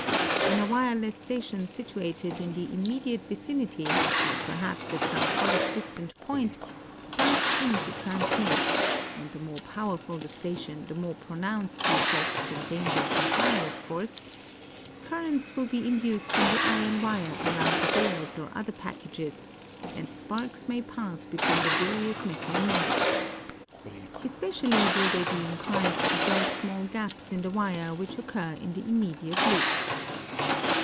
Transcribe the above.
When a wireless station situ ated in the immediate vicinity, or perhaps at some quite distant point, starts in to transmit (and the more powerful the sta tion the more pronounced the effect and danger from fire of course), currents will be induced in the iron wire around the bales or other packages, and sparks may pass between the various metal members. Especially will they be inclined to jump small gaps in the wire which occur in the immediate loop.